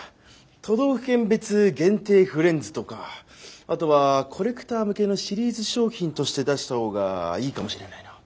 都道府県別限定フレンズとかあとはコレクター向けのシリーズ商品として出したほうがいいかもしれないなぁ。